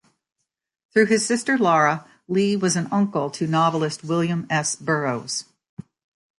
Through his sister Laura, Lee was an uncle to novelist William S. Burroughs.